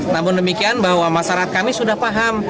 namun demikian bahwa masyarakat kami sudah paham